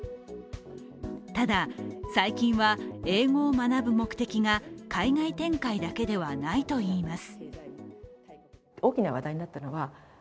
ただ、最近は英語を学ぶ目的が海外展開だけではないといいます。